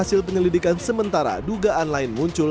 iya ada guru